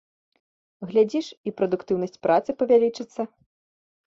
Глядзіш, і прадуктыўнасць працы павялічыцца.